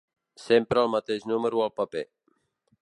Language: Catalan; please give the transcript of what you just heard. Sempre el mateix número al paper.